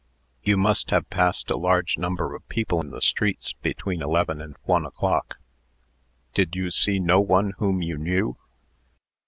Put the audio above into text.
"You must have passed a large number of people in the streets between eleven and one o'clock. Did you see no one whom you knew?"